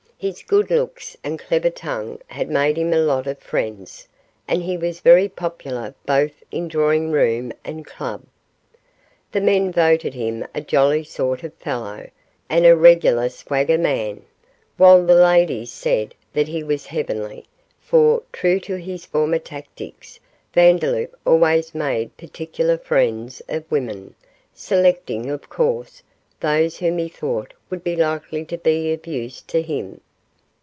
His good looks and clever tongue had made him a lot of friends, and he was very popular both in drawing room and club. The men voted him a jolly sort of fellow and a regular swagger man, while the ladies said that he was heavenly; for, true to his former tactics, Vandeloup always made particular friends of women, selecting, of course, those whom he thought would be likely to be of use to him.